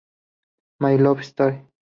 My Love Story!